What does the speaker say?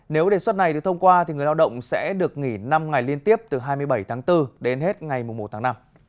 nếu đề xuất này được thông qua người lao động sẽ được nghỉ năm ngày liên tiếp từ hai mươi bảy tháng bốn đến hết ngày một tháng năm